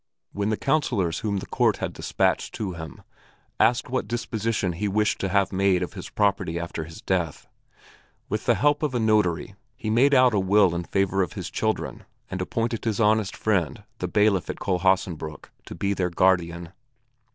When the councilors whom the court had dispatched to him asked what disposition he wished to have made of his property after his death, with the help of a notary he made out a will in favor of his children and appointed his honest friend, the bailiff at Kohlhaasenbrück, to be their guardian.